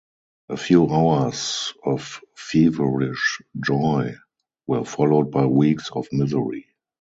A few hours of feverish joy were followed by weeks of misery.